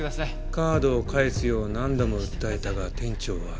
カードを返すよう何度も訴えたが店長は拒否。